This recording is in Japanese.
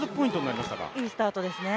いいスタートですね。